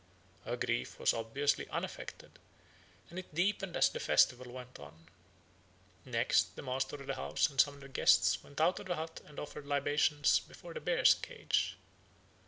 Her grief was obviously unaffected, and it deepened as the festival went on. Next, the master of the house and some of the guests went out of the hut and offered libations before the bear's cage.